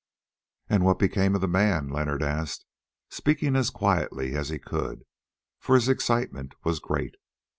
"And what became of the man?" Leonard asked, speaking as quietly as he could, for his excitement was great.